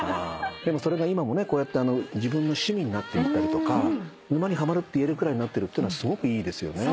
でもそれが今もねこうやって自分の趣味になっていたりとか沼にハマるって言えるくらいなってるっていうのはすごくいいですよね。